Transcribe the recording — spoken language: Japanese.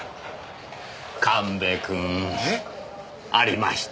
神戸君。え？ありました。